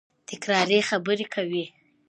تکراري خبري کوي.